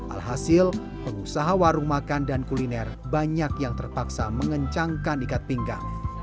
alhasil pengusaha warung makan dan kuliner banyak yang terpaksa mengencangkan ikat pinggang